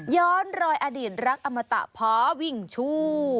ย้อนรอยอดีตรักอมตะพอวิ่งชู